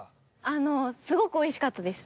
あのすごくおいしかったです。